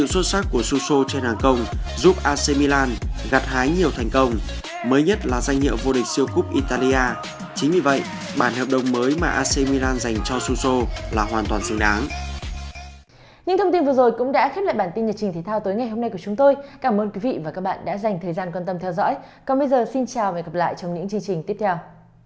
xin chào và hẹn gặp lại trong những chương trình tiếp theo